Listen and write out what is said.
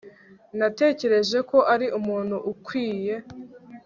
Natekereje ko ari umuntu ukwiye